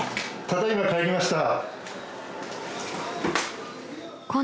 ただいま帰りました。